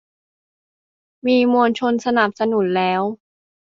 มีมวลชนสนับสนุนแล้ว